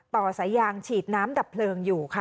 ต่อสายยางฉีดน้ำดับเพลิงอยู่ค่ะ